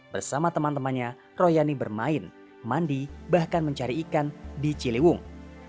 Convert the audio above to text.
bersama teman temannya royani bermain mandi bahkan mencari ikan di ciliwung